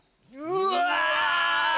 うわ！